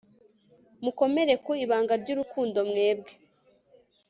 mukomere ku ibanga ry'urukundo, mwebwe